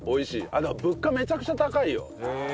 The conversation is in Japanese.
でも物価めちゃくちゃ高いよ。え。